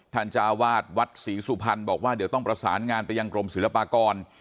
จ้าวาดวัดศรีสุพรรณบอกว่าเดี๋ยวต้องประสานงานไปยังกรมศิลปากร